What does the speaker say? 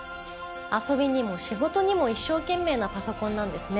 遊びにも仕事にも一生懸命なパソコンなんですね。